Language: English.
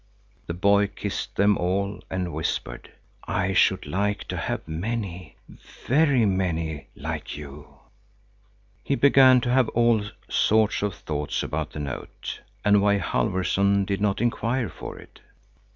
The boy kissed them all and whispered: "I should like to have many, very many like you." He began to have all sorts of thoughts about the note, and why Halfvorson did not inquire for it.